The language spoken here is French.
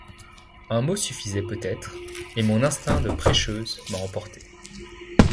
Un mot suffisait peut-être, et mon instinct de prêcheuse m’a emportée.